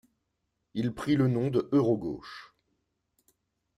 Il prit le nom de Euro-gauche.